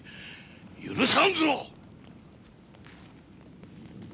許さんぞ！